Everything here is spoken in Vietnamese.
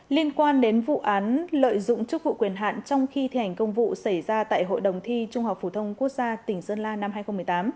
liên quan đến vụ án lợi dụng chức vụ quyền hạn trong khi thi hành công vụ xảy ra tại hội đồng thi trung học phổ thông quốc gia tỉnh sơn la năm hai nghìn một mươi tám